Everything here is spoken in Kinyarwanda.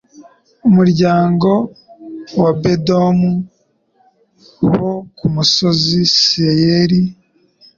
umuryango w abedomu bo ku musozi seyiri